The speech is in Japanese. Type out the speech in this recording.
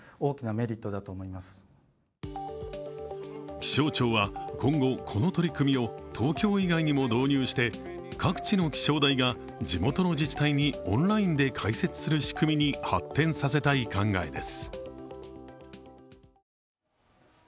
気象庁は今後、この取り組みを東京以外にも導入して各地の気象台が地元の自治体にオンラインで解説する仕組みに発展させたい考えです。